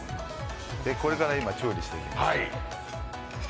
これから今調理していきます。